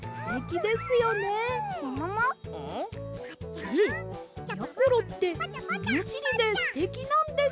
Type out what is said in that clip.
「ええやころってものしりですてきなんです」。